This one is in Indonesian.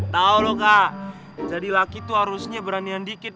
tau loh kak jadi laki tuh harusnya beranihan dikit